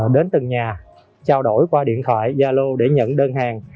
đến từng nhà trao đổi qua điện thoại gia lô để nhận đơn hàng